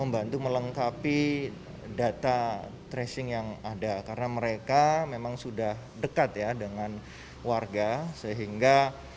hai melengkapi data tracing yang ada karena mereka memang sudah dekat ya dengan warga sehingga